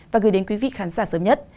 và gửi đến quý vị khán giả sớm nhất